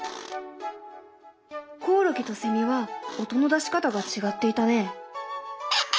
コオロギとセミは音の出し方が違っていたね。